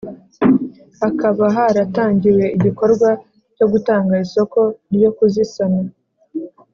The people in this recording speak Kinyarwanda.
Hakaba haratangiwe igikorwa cyo gutanga isoko ryo kuzisana